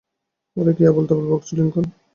আরে, কী আবোলতাবোল বকছো, লিংকন।